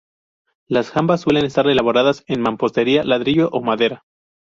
Las jambas suelen estar elaboradas en mampostería, ladrillo o madera.